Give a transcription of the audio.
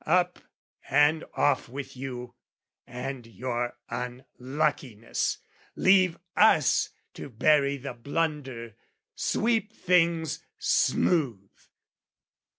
Up "And off with you and your unluckiness "Leave us to bury the blunder, sweep things smooth!"